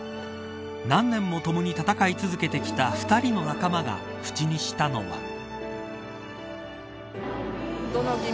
何年もともに戦い続けてきた２人の仲間が口にしたのは。